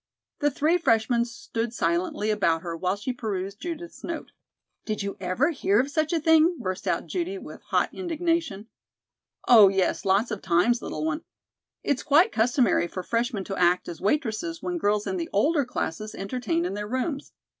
The three freshmen stood silently about her while she perused Judith's note. "Did you ever hear of such a thing?" burst out Judy with hot indignation. "Oh, yes, lots of times, little one. It's quite customary for freshmen to act as waitresses when girls in the older classes entertain in their rooms.